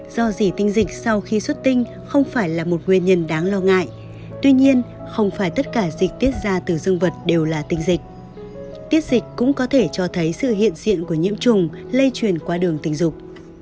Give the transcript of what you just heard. do gì tinh dịch sau khi xuất tinh không phải là một nguyên nhân đáng lo ngại tuy nhiên không phải tất cả dịch tiết ra từ dương vật đều là tinh dịch tiết dịch cũng có thể cho thấy sự hiện diện của nhiễm trùng lây truyền qua đường tình dục